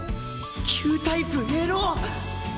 旧タイプエロッ！